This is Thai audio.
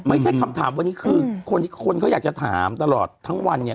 ไม่ใช่คำถามวันนี้คือคนที่คนเขาอยากจะถามตลอดทั้งวันเนี่ย